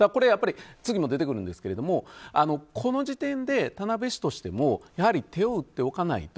次も出てくるんですけどこの時点で田辺市としても手を打っておかないと